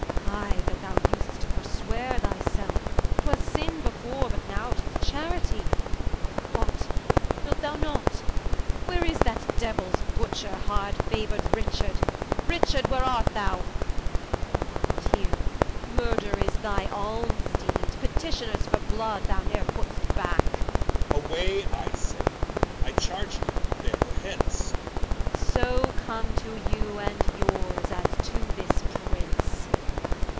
Qu. I, but thou vsest to forsweare thy selfe. 'Twas Sin before, but now 'tis Charity What wilt y not? Where is that diuels butcher Richard? Hard fauor'd Richard? Richard, where art thou? Thou art not heere; Murther is thy Almes deed: Petitioners for Blood, thou ne're put'st backe Ed. Away I say, I charge ye beare her hence, Qu. So come to you, and yours, as to this Prince.